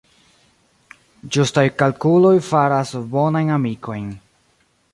Ĝustaj kalkuloj faras bonajn amikojn.